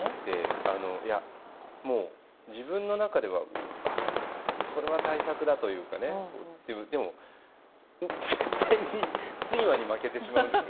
あのいやもう自分の中では「あっこれは大作だ」というかねでも絶対に睡魔に負けてしまうんですよ。